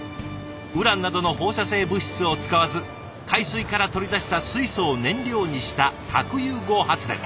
ウランなどの放射性物質を使わず海水から取り出した水素を燃料にした核融合発電。